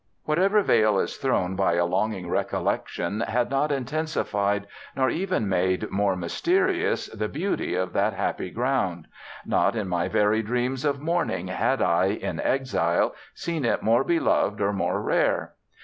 Whatever veil is thrown by a longing recollection had not intensified nor even made more mysterious the beauty of that happy ground; not in my very dreams of morning had I, in exile, seen it more beloved or more rare.